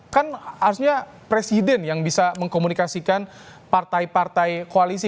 kan harusnya presiden yang bisa mengkomunikasikan partai partai koalisi